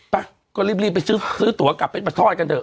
ไปก็รีบไปซื้อตัวกลับไปมาทอดกันเถ